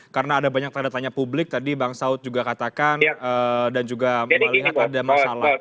karena ada banyak tanda tanya publik tadi bang saud juga katakan dan juga melihat ada masalah